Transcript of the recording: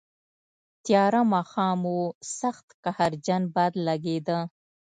تیاره ماښام و، سخت قهرجن باد لګېده.